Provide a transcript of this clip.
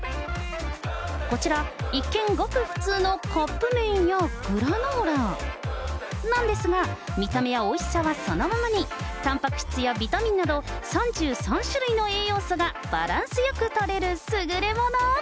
こちら、一見ごく普通のカップ麺やグラノーラなんですが、見た目やおいしさはそのままに、たんぱく質やビタミンなど３３種類の栄養素がバランスよくとれる優れもの。